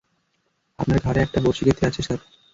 আপনার ঘাড়ে একটা বড়শি গেঁথে আছে, স্যার!